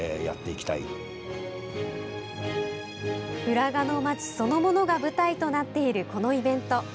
浦賀の街そのものが舞台となっている、このイベント。